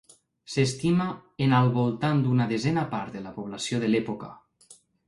S'estima en al voltant d'una desena part de la població de l'època.